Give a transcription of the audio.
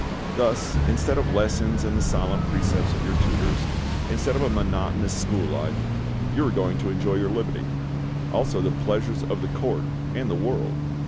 Thus, instead of lessons and the solemn precepts of your tutors, instead of a monotonous school life, you are going to enjoy your liberty; also the pleasures of the court and the world.